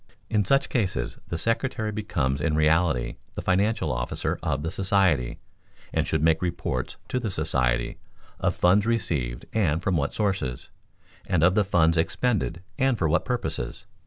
In such cases the secretary becomes in reality the financial officer of the society, and should make reports to the society, of funds received and from what sources, and of the funds expended and for what purposes.